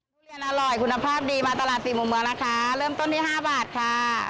ทุเรียนอร่อยคุณภาพดีมาตลาดสี่มุมเมืองนะคะเริ่มต้นที่๕บาทค่ะ